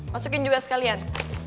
masukin juga sekalian